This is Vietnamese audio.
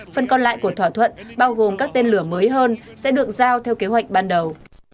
phần còn lại của thỏa thuận bao gồm các tên lửa mới hơn sẽ được giao theo kế hoạch ban đầu